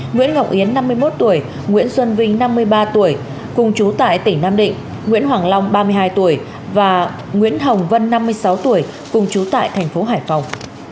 nguyễn ngọc yến năm mươi một tuổi nguyễn xuân vinh năm mươi ba tuổi cùng chú tại tỉnh nam định nguyễn hoàng long ba mươi hai tuổi và nguyễn hồng vân năm mươi sáu tuổi cùng chú tại thành phố hải phòng